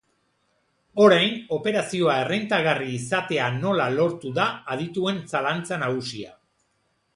Orain, operazioa errentagarri izatea nola lortu da adituen zalantza nagusia.